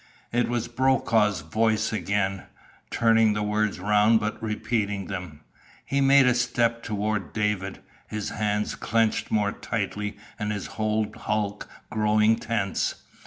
It was Brokaw's voice again, turning the words round but repeating them. He made a step toward David, his hands clenched more tightly and his whole hulk growing tense.